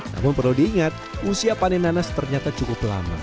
namun perlu diingat usia panen nanas ternyata cukup lama